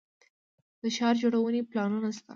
د ښار جوړونې پلانونه شته